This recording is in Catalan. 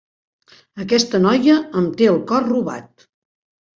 Aquesta noia em té el cor robat.